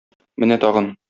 Менә тагын!